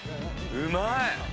うまい！